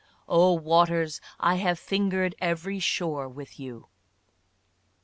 "O waters, I have finger'd every shore with you."